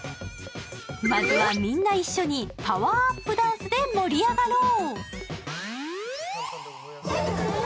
まずはみんな一緒にパワーアップダンスで盛り上がろう。